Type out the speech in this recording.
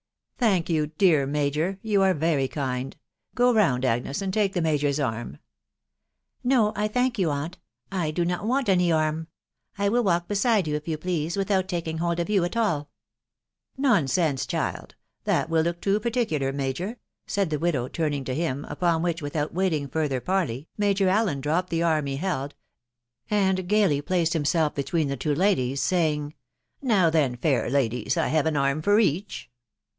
" Thank you, dear major !.... You are very kind. Go round, Agnes, and take the major's arm." (e No, I thank you, aunt ; I do not want any arm. I will walk beside you, if you please, without taking hold of you at all." "Nonsense, child] .... That will look too particular, nu^jor, ".... said the widow, turning to n\m ; m$<hi \rt\\d&. I THE WIDOW BARNABY. 21 S without waiting further parley, Major Allen dropped the arm he held, and gaily placed himself between the two ladies, say ing, " Now then, fair ladies, I have an arm for each."